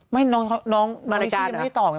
ไม่น้องเขาน้องนิชย์ยังไม่ได้ตอบไง